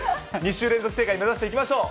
２週連続正解目指していきましょう。